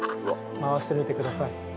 回してみてください。